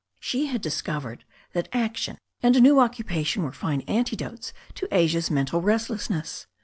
She had discovered that action and a new occupatioB were fine antidotes to Asia's mental restlessness.